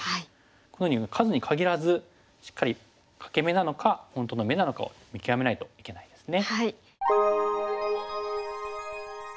このように数に限らずしっかり欠け眼なのか本当の眼なのかを見極めないといけないですね。